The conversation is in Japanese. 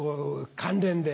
関連で？